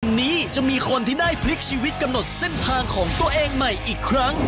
วันนี้จะมีคนที่ได้พลิกชีวิตกำหนดเส้นทางของตัวเองใหม่อีกครั้ง